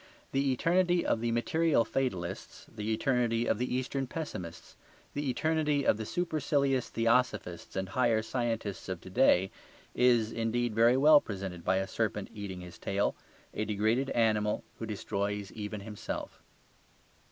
The eternity of the material fatalists, the eternity of the eastern pessimists, the eternity of the supercilious theosophists and higher scientists of to day is, indeed, very well presented by a serpent eating his tail, a degraded animal who destroys even himself.